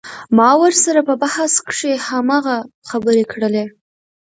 ما ورسره په بحث کښې هماغه خبرې کړلې.